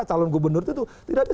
calon gubernur itu tuh tidak bisa